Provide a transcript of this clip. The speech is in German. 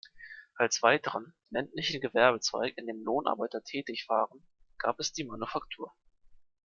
Als weiteren ländlichen Gewerbezweig, in dem Lohnarbeiter tätig waren, gab es die Manufaktur.